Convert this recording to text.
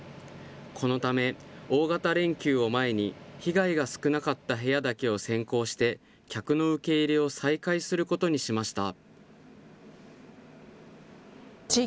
このため、大型連休を前に被害が少なかった部屋だけを先行して、客の受け入れを再開することにしました。